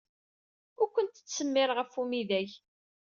Ur kent-ttsemmireɣ ɣef umidag.